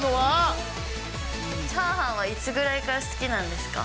チャーハンはいつぐらいから好きなんですか。